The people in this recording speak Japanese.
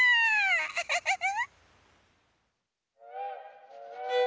ウフフフ！